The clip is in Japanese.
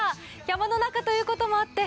山の中ということもあって